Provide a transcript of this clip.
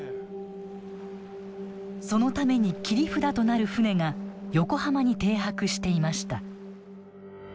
そのために切り札となる船が横浜に停泊していました。